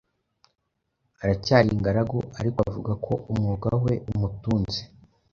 Aracyari ingaragu ariko avuga ko umwuga we umutunze